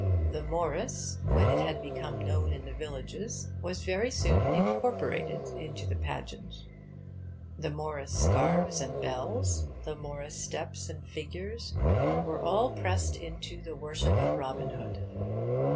The Morris, when it had become known in the villages, was very soon incorporated in the 'pageant.' The Morris scarves and bells, the Morris steps and figures, were all pressed into the worship of Robin Hood.